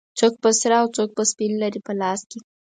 څوک به سره او څوک به سپین لري په لاس کې